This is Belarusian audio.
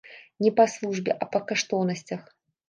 Не па службе, а па каштоўнасцях.